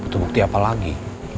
butuh bukti apa lagi